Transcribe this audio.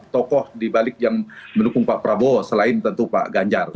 tokoh dibalik yang mendukung pak prabowo selain tentu pak ganjar